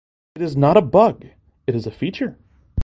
It is not a bug, it is a feature!